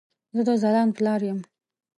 زه د ځلاند پلار يم